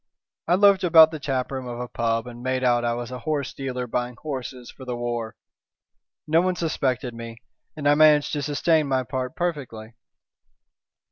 "I loafed about the taproom of a pub, and made out I was a horse dealer buying horses for the war. No one suspected me, and I managed to sustain my part perfectly."